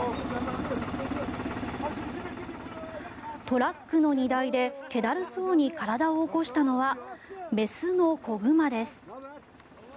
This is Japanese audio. トラックの荷台でけだるそうに体を起こしたのは雌の子熊です。